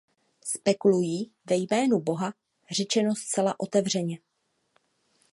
Spekulují ve jménu Boha, řečeno zcela otevřeně.